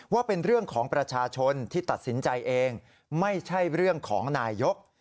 ว่าเป็นเรื่องของประชาชนที่ตัดสินใจเองไม่ใช่เรื่องของนายก